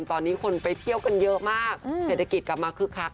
ตอนนี้คนไปเที่ยวกันเยอะมากเศรษฐกิจกลับมาคึกคัก